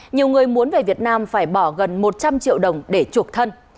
nhiều người muốn về việt nam phải bỏ gần một trăm linh triệu đồng để chuộc thân